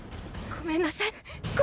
ごめんなさいッ！